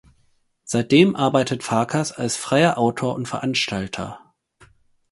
Seitdem arbeitet Farkas als freier Autor und Veranstalter.